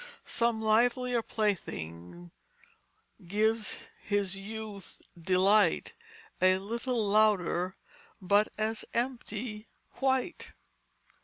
Some livelier plaything gives his youth delight, A little louder but as empty quite.